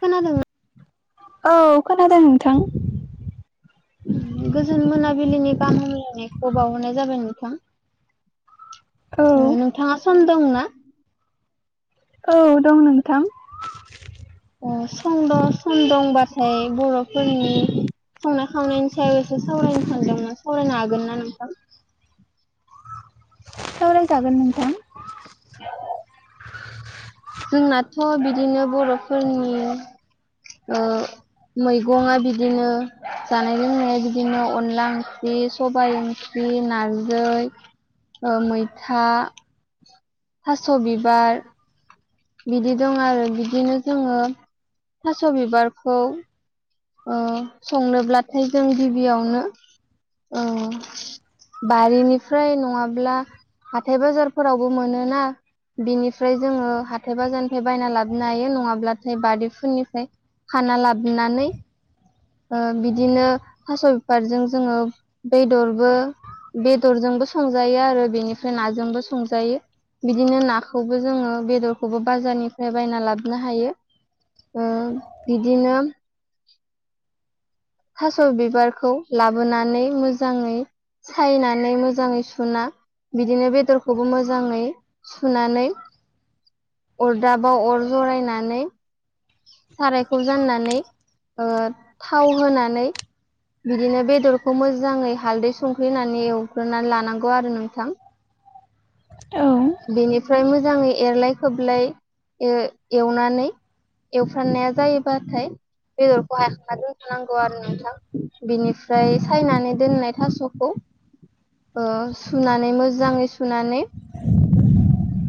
खोनादों ना? औ खोनादों नोंथां गोजोन मोनाबिलिनि गाहामलायनायखौ बावहरनाय जाबाय नोंथां। औ नोंथाङा सम दंना? औ दं नोंथां अ सम दं सम दंबथाय बर'फोरनि संनाय खावनायनि सायाव एसे सावरायनो सानदोंमोन सावरायनो हागोन ना नोंथां? सावरायजागोन नोंथां। जोंनाथ' बिदिनो बर'फोरनि ओ मैगंआ बिदिनो जानाय लोंनाय बिदिनो अनला ओंख्रि सबाय ओंख्रि नारजै ओ मैथा थास' बिबार बिदि दं आरो बिदिनो जोङो थास' बिबारखौ औ संनोब्लाथाय जों गिबियावनो ओ बारिनिफ्राय नङाब्ला हाथाय बाजारफोरावबो मोनोना बिनिफ्राय जोङो हाथाय बाजारनिफ्राय बायना लाबोनो हायो नङाब्लाथाय बारिफोरनिफ्राय खाना लाबोनानै ओ बिदिनो थास' बिबारजों जोङो बेदरबो बेदरजोंबो संजायो आरो बेनिफ्राय नाजोंबो संजायो। बिदिनो नाखौबो जोङो बेदरखौबो बाजारनिफ्राय बायना लाबोनो हायो। ओ बिदिनो थास' बिबारखौ लाबोनानै मोजाङै सायनानै मोजाङै सुना बिदिनो बेदरखौबो मोजाङै सुनानै अरदाबाव अर जरायनानै सारायखौ जाननानै थाव होनानै बिदिनो बेदरखौ मोजाङै हालदै संख्रिनानै एवग्रोनानै लानांगौ आरो नोंथां। औ बेनिफ्राय मोजाङै एरलाय खोबलाय ओ एवनानै एवफ्रामनाया जायोबाथाय बेदरखौ हायखांना दोनखानांगौ आरो नोंथां। बिनिफ्राय सायनानै दोननाय थास' खौ सुनानै मोजाङै सुनानै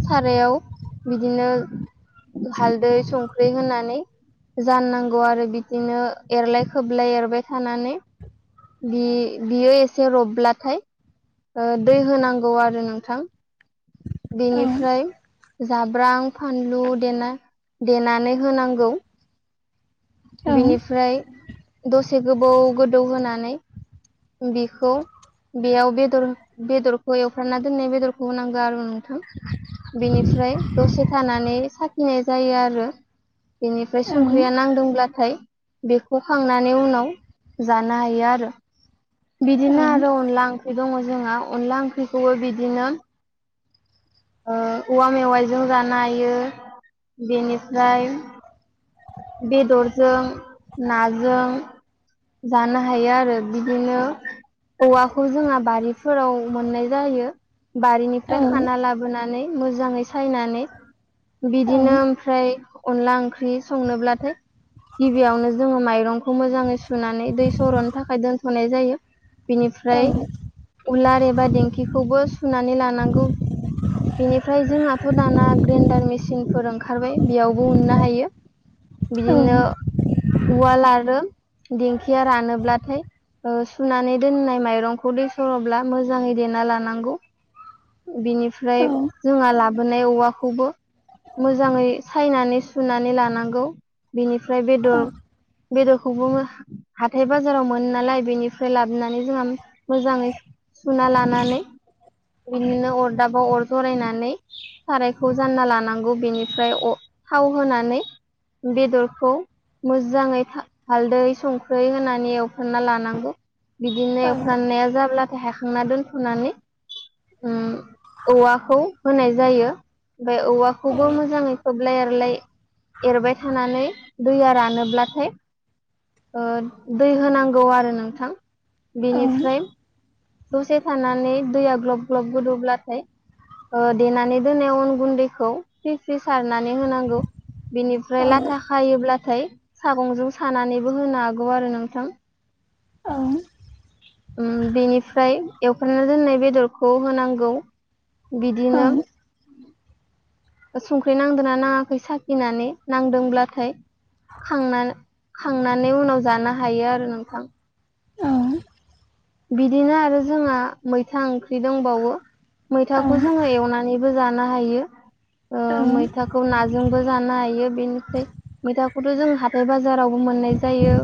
सारायाव बिदिनो हालदै संख्रि होनानै जाननांगौ आरो बिदिनो एरलाय खोबलाय एरबाय थानानै। बि बियो एसे रबब्लाथाय दै होनांगौ आरो नोंथां। औ बेनिफ्राय जाब्रां फानलु देना देनानै होनांगौ। औ बिनिफ्राय दसे गोबौ गोदौ होनानै बिखौ बेयाव बेदर बेदरखौ एवफ्रामना दोननाय बेदरखौ होनांगौ आरो नोंथां। बिनिफ्राय दसे थानानै साखिनाय जायो आरो। बेनिफ्राय औ संख्रिया नांदोंब्ला थाय बेखौ खांनानै उनाव जानो हायो आरो। औ बिदिनो आरो अनला ओंख्रि दङ जोंहा। अनला ओंख्रिखौबो बिदिनो वा मेवाइजों जानो हायो। बेनिफ्राय बेदरजों नाजों जानो हायो आरो बिदिनो औवाखौ जोंहा बारिफोराव मोननाय जायो। औ बारिनिफ्राय खाना लाबोनानै मोजाङै सायनानै औ बिदिनो ओमफ्राय अनला ओंख्रि संनोब्लाथाय गिबियावनो जोङो माइरंखौ मोजाङै सुनानै दै सर'नो थाखाय दोनथ'नाय जायो। बेनिफ्राय उलार एबा दिेंखिखौबो सुनानै लानांगौ। बेनिफ्राय जोंहाथ' दाना ग्रेन्डार मेसिनफोर ओंखारबाय बेयावबो उननो हायो। बिदिनो उवाल आरो दिंखिया रानोब्लाथाय सुनानै दोननाय माइरंखौ दै सर'ब्ला मोजाङै देना लानांगौ। बिनिफ्राय जोंहा लाबोनाय औवाखौबो मोजाङै सायनानै सुनानै लानांगौ। बेनिफ्राय बेदर बेदोखौबो हाथाय बाजाराव मोनो नालाय।, बेनिफ्राय लाबोनानै जोंहा मोजाङै सुना लानानै बिदिनो अरदाबाव अर जरायनानै सारायखौ जानना लानांगौ। बेनिफ्राय अ थाव होनानै बेदरखौ। मोजाङै हा-हालदै संख्रै होनानै एवफ्रामना लानांगौ। बिदिनो एवफ्रान्नाया जाब्लाथाय हायखांना दोनथ'नानै औवाखौ होनाय जायो। ओमफ्राय औवाखौबो मोजाङै खोबलाय एरलाय एरबाय थानानै दैया रानोब्लाथाय दै होनांगौ आरो नोंथां। औ बिनिफ्राय दसे थानानै दैया ग्लब ग्लब गोदौब्लाथाय देनानै दोननाय अन गुन्दैखौ फ्रि फ्रि सारनानै होनांगौ। बिनिफ्राय औ लाथा खायोब्लाथाय सागंजों सानानैबो होनो हागौ आरो नोंथां। औ। बेनिफ्राय एवफेरामना दोननाय बेदरखौ होनांगौ। बिदिनो [inaudible] संख्रि नांदोंना नाङाखै साखिनानै नांदोंब्लाथाय खांना-खांनानै उनाव जानो हायो आरो नोंथां। बिदिनो आरो जोंहा मैथा ओंख्रि दोंबावो। मैथाखौ जोङो एवना नैबे बो जानो हायो। मैथाखौ नाजोंबो जानो हायो। बेनिफ्राय मैथाखौथ' जों हाथाय बाजारावबो मोननाय जायो,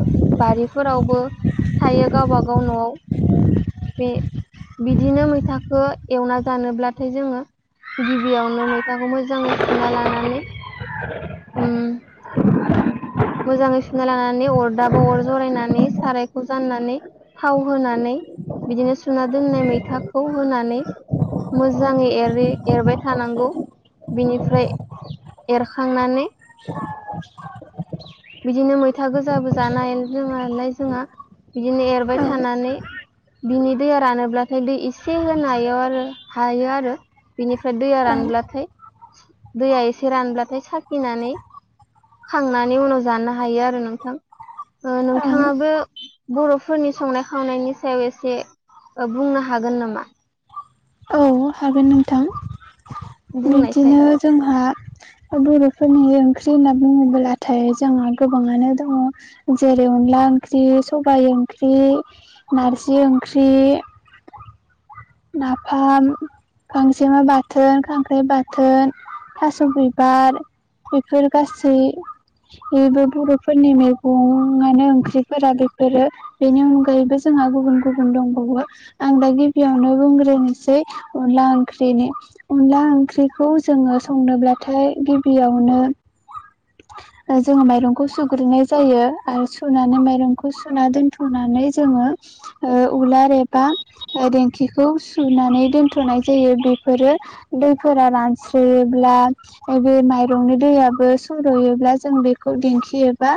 बारिफोरावबो थायो गाबागाव न'आव। बे बिदिनो मैथाखौ एवना जानोब्लाथाय जोङो गिबियावनो मैथाखौ मोजाङै सना लानानै उम [inaudible] मोजाङै सुनालानानै अरदाबाव अर जरायनानै सारायखौ जाननानै थाव होनानै बिदिनो सुना दोननाय मैथाखौ होनानै मोजाङै एरै एरबाय थानांगौ बिनिफ्राय एरखांनानै [unintelligible] बिदिनो मैथा गोजाबो जानाय जोंङालाय जोंहा बिदिनो एरबाय थानानै बिनि दैया रानोब्लाथाय दै एसे होनायाव आरो हायो आरो बिनिफ्राय दैया रानब्लाथाय दैया एसे रानब्लाथाय साखिनानै खांनानै उनाव जानो हायो आरो नोंथां। नोंथाङाबो बर'फोरनि संनाय खावनायनि सायाव एसे ओ बुंनो हागोन नामा? औ हागोन नोंथां। बुंनायसाय बिब्दिनो जोंहा बर'फोरनि ओंख्रि होनना बुङोब्लाथाय जोंहा गोबाङानो दङ जेरै अनला ओंख्रि, सबाय ओंख्रि, नारजि ओंख्रि, नाफाम, गांजेमा बाथोन, खांख्राइ बाथोन। थास' बिबार बेफोर गासैबो बर' फोरनि मैगंआनो ओंख्रिफोरा बे फोरो बेनि अनगायैबो जोंहा गुबुन गुबुन दंबावो। आं दा गिबियावनो बुंग्रोनोसै अनला ओंख्रिनि अनला ओंख्रिखौ जोङो संनोब्लाथाय गिबियावनो जोङो माइरंखौ सुग्रोननाय जायो आरो थुनानै माइरंखौ सुना दोनथ'नानै जोङो। ओ उलार एबा देंखि खौ सुनानै दोनथ'नाय जायो बेफोरो दैफोरा रानस्रोयोब्ला बे माइरंनि दैयाबो सर'योब्ला जों बेखौ देंखि एबा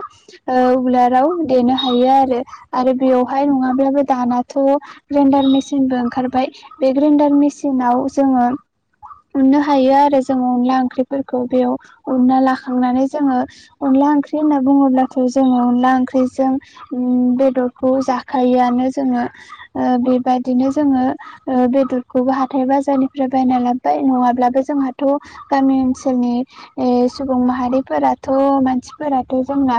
ओउलाराव देनो हायो आरो। आरो बेवहाय नङाब्लाबो दानाथ' ग्रेडार मेसिनबो ओंखारबाय बे ग्रेन्डार मेसिनाव जोङो उननो हायो आरो जोङो अनला ओंख्रिफोरखौ बेयाव उनना लाखांनानै जोङो अनला ओंख्रि होनना बुङोब्लाथ' जोङो अनला ओंख्रिजों उम बेदरखौ जाखायोआनो जोङो ओ बेबायदिनो जोङो ओ बेदरखौबो हाथाय बाजारनिफ्राय बायना लाबोबाय नङाब्लाबो जोंहाथ' गामि ओनसोलनि ओ सुबुं माहारिफोराथ' मानसिफोराथ' जोंना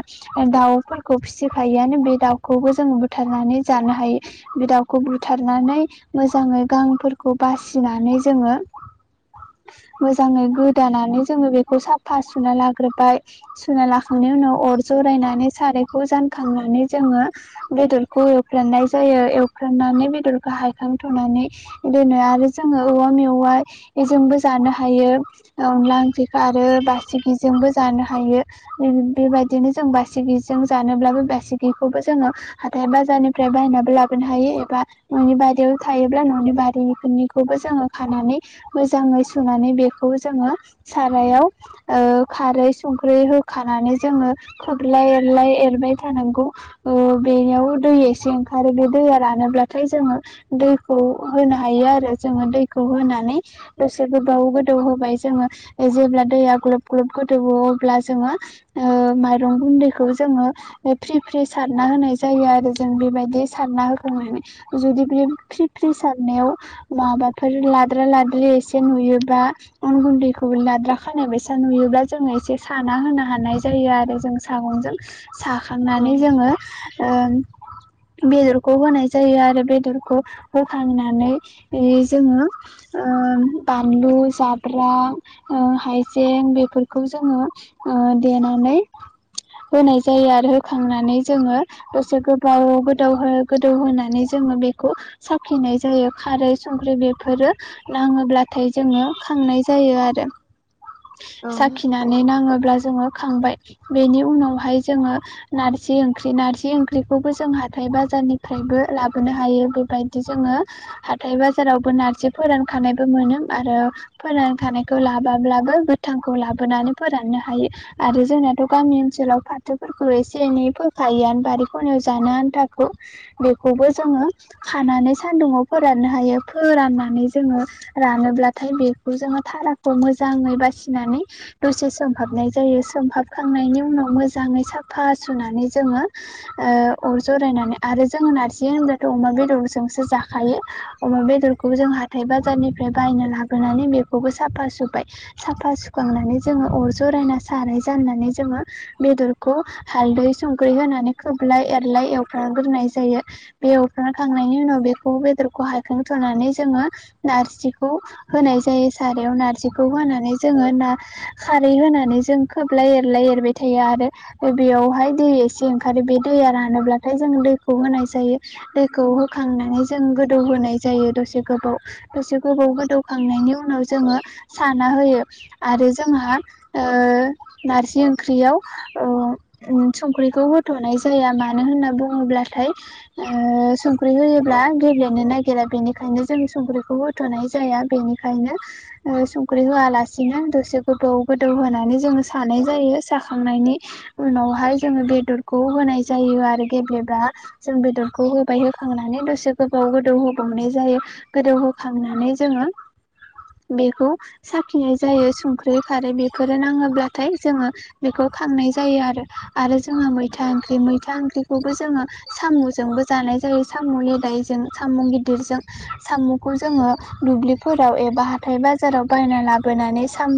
दाउफोरखौ फिसिफायोआनो बे दाउखौबो जों बुथारनानै जानो हायो। बे दाउखौ बुथारनानै मोजाङै गांफोरखौ बासिनानै जोङो मोजाङै गोदानानै जोङो बेखौ साफा सुना लाग्रोबाय सुना लाखांनायनि उनाव अर जरायनानै सारायखौ जानखांनानै जोङो बेदरखौ एवफ्रामनाय जायो। एवफ्रामनानै बेदरखौ हायखांथ'नानै दोनो आरो जोङो औवा मेवा जोंबो जानो हायो। अनला ओंख्रिखो आरो बासिगिजोंबो जानो हायो। बेबायदिनो जों बासिगिजों जानोब्लाबो बासिगिखौबो जोङो हाथाइ बाजारनिफ्राय बायनाबो लाबोनो हायो एबा ननि ब याव थायोब्ला न'नि बारिफोरनिखौबो जोङो खानानै मोजाङै सुनानै बेखौ जोङो सारायाव ओ खारै संख्रै होखानानै जोङो थुग्लिलाय एरलाय एरबाय थानांगौ। ओ बेयाव दै एसे ओंखारो बे दैया रानोब्लाथाय जोङो। दैखौ होनो हायो आरो। जोङो दैखौ होनानै दसे गोबाव गोदौ होबाय जोङो जेब्ला दैया ग्लब ग्लब गोदौओ अब्ला जोङो ओ माइरं गुन्दैखौ जोङो। फ्रि फ्रि सारना होनाय जायो आरो जों बेबायदि सारना होखांनानै जुदि बे फ्रि फ्रि सारनायाव माबाफोर लाद्रा लाद्रि एसे नुयोबा अन गुन्दैखौबो लाद्रा खानाय बसा नुयोब्ला जोङो एसे साना होनो हानाय जायो आरो जों [unintelligible] औ साखांनानै जोंङो ओ बेदरखौ होनाय जायो आरो बेदरखौ होखांनानै जोंङो। ओ बानलु जाब्रा ओ हाइजें बेफोरखौ जोंङो। देनानै होनाय जायो आरो होखांनानै जोंङो। दसे गोबाव गोदाव गोदौ होनानै जोंङो बेखौ साखिनाय जायो खारै संख्रि बेफोरो नांङोब्लाथाय जोंङो खांनाय जायो आरो साखिना सानै नांङोब्ला जोंङो खांबाय बेनि उनावहाय जोंङो। नारजि ओंख्रि नारजि ओंख्रिखौबो जों हाथाय बाजारनिफ्रायबो लाबोनो हायो बेबायदि। बिदि जोंङो हाथथाय बाजारावबो नारजि फोरानखानायबो मोनो आरो फोरान थानायखौ लाबोब्लाबो गोथांखौ लाबोनानै फोराननो हायो। आरो जोंनाथ' गामि ओनसोलाव फाथोफोरखौ एसे एनै फोखायोआ बारि खनायाव जानो आन्थाखौ बेखौबो जोंङो खानानै सान्दुुंआव फोराननो हायो। फोराननानै जोंङो रानोब्लाथाय बेखौ जोंङो थाराखौ मोजाङै बासिनानै दसे सोमहाबनाय जायो सोमहाबखांनायनि उनाव मोजाङै साफा सुनानै जोंङो। ओ जरायनानै आरो जोंङो नारजि होनोब्लाथ' अमा बेदर बेदजोंसो जाखायो अमा बेदरखौ जों हाथाय बाजारनिफ्राय बायनो लाबोनानै बे बेखौबो साफा सुबाय साफा सुखांनानै जोंङो अर जरायना सानाय जाननानै जोंङो। बेदरखौ हालदै संख्रि होनानै खोबलाय एरलाय एवफ्रग्रोनाय जायो। बे अखा होखांनायनि उनाव बेखौ बेदरखौ हायाखांथ'नानै जोंङो नारजिखौ होनाय जायो। सारायाव नारजिखौ होनानै जोंङो ना खारै होनानै जों खोबलाय एरलाय एरबाय थायो आरो बेयावहाय दै एसे ओंखारो बे दैया रानोब्लाथाय जों दैखौ होनाय जायो। दैखौ होखांनानै जों गोदौ होनोनाय जायो दसे गोबाव एसे गोबाव गोदौखांनायनि उनाव जोंङो साना होयो आरो जोंहा ओ नारजि ओंख्रियाव ओ संख्रिखौ होथ'नाय जाया मानो होनना बुङोब्लाथाय ओ संख्रि होयोब्ला गेब्लेनो नागिरा बेनिखायनो जों संख्रिखौ होथ'नाय जाया बेनि खायनो संख्रि होआलासिनो दसे गोदौ गोदौ होनानै जोंङो सानाय जायो साखांनायनि उनावहाय जोंङो बेदरखौ होनाय जायो आरो गेब्लेब जों बेदर खौ होबाय होखांनानै दसे गोबाव गोदौ होबावनाय जायो। गोदौहोखांनानै जोंङो बेखौ साखिनाय जायो संख्रि खारै बेफोरो नाङोब्लाथाय जोंङो। बेखौ खांनाय जायो आरो आरो जोंहा मैथा ओंख्रि मैथा ओंख्रिखौबो जोंङो साम'जोंबो लानाय जायो साम' लेदायजों साम' गिदिरजों साम'खौ जोंङो दुब्लिफोराव एबा हाथाय बाजाराव बायना लाबोनानै साम'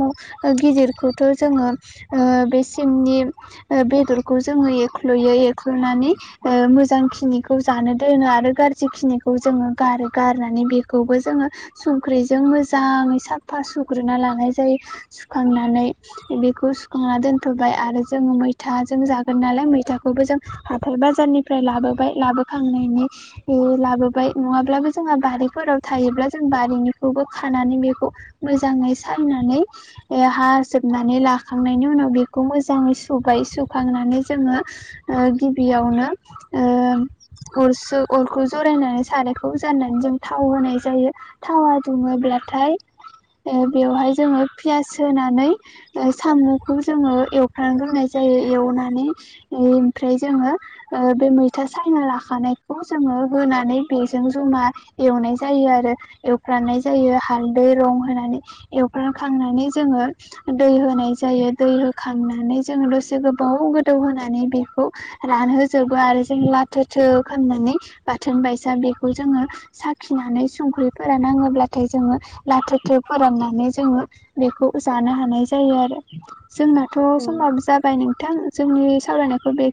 गिदिरखौथ' जोंङो ओ बे सिमनि बेदरखौ जोंङो एरख्ल'यो एख्ल'नानै मोजां खिनि खौ जानो दोनो आरो गाज्रिखिनिखौ जोंङो गारो गारनानै बेखौबो जोंङो। संख्रिजों मोजाङै साफा सुग्रोना लानाय जायो सुखांनानै बेखौ सुखांना दोनथ'बाय आरो जों मैथाजों जागोन नालाय मैथाखौबो जों हाथाय बाजारनि फ्राय लाबोबाय लाबोखांनायनि लाबोबाय नङाब्लाबो जोंहा बारिफोराव थायोब्ला जों बारिनिखौबो खानानै बेखौ मोजांङै सायनानै हाजोबनानै ला खांनायनि उनाव बेखौ मोजांङै सुबाय सुखांनानै जोंङो। ओ-गिबियावनो ओ- अरसो अरखौ जरायनानै सारायखौ जाननानै जों थाव होनाय जायो। थावा दुङोब्लाथाय ओ-बेवहाय जोङो पियास होनानै। ओ-साम'खौ जोङो एवफ्रामग्रोनाय जायो एवनानै। ओमफ्राय जोङो ओ-बे मैथा सायना ला हानायखौ जोङो होनानै बेजों जमा। एवनाय जायो आरो एवफ्रामनाय जायो हालदै रं होनानै। एवफ्रामखांनानै जोङो। दै होनाय जायो दै होखांनानै जोङो दसे गोबाव गोदौ होनानै बेखौ। रानहोजोबो आरो जों लाथो थो खालामनानै बाथोन बायसा बेखौ जोङो। साखिनानै संख्रिफोरा नाङोब्लाथाय जोङो लाथो थो फोराननानै जोङो। बेखौ जानो हानाय जायो आरो। जोंनाथ' औ समाबो जाबाय नोंथां जोंनि सावरायनायखौ बेखि